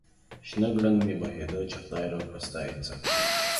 شنه گړنگ مې بهيده ، چې خداى راکړه ستا يې څه ؟